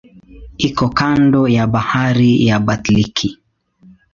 Iko kando ya Bahari ya Baltiki.